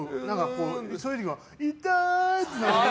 そういう時は、痛い！って。